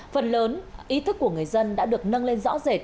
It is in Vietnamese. phần lớn ý thức của người dân đã được nâng lên rõ rệt